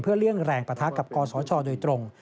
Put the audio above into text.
เพื่อเลี่ยงแรงประทักกับกรสชโดยตรง